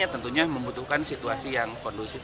tentunya membutuhkan situasi yang kondusif